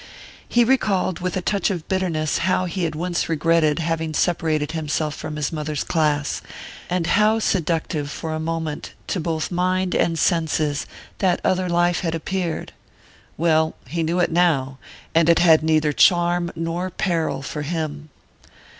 He recalled with a touch of bitterness how he had once regretted having separated himself from his mother's class, and how seductive for a moment, to both mind and senses, that other life had appeared. Well he knew it now, and it had neither charm nor peril for him.